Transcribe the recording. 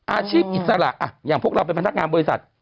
อาชีพอิสระอย่างพวกเราเป็นพนักงานบริษัท